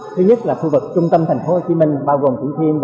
thứ nhất là khu vực trung tâm tp hcm bao gồm tp hcm